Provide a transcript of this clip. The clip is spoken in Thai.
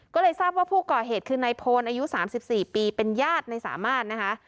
ก็เลยทราบว่าผู้ก่อเหตุคือนายโพนอายุ๓๔ปีเป็นญาติในสามารถนะคะ